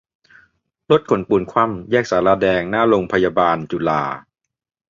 รถขนปูนคว่ำ แยกศาลาแดง หน้าโรงพยาบาลจุฬา